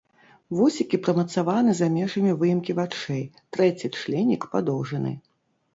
Вусікі прымацаваны за межамі выемкі вачэй, трэці членік падоўжаны.